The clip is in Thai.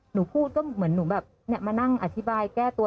หนูพูดก็เหมือนหนูแบบมานั่งอธิบายแก้ตัว